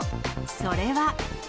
それは。